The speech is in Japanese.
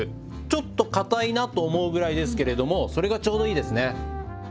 ちょっと硬いなと思うぐらいですけれどもそれがちょうどいいですね。